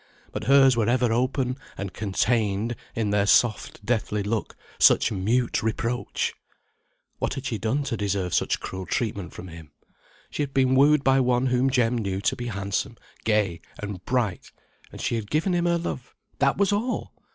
But hers were ever open, and contained, in their soft, deathly look, such mute reproach! What had she done to deserve such cruel treatment from him? She had been wooed by one whom Jem knew to be handsome, gay, and bright, and she had given him her love. That was all!